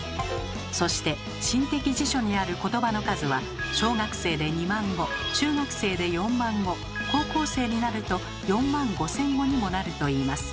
そして心的辞書にある言葉の数は小学生で２万語中学生で４万語高校生になると４万５千語にもなるといいます。